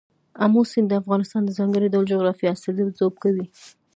آمو سیند د افغانستان د ځانګړي ډول جغرافیه استازیتوب کوي.